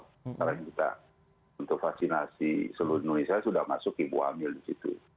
sekarang kita untuk vaksinasi seluruh indonesia sudah masuk ibu hamil di situ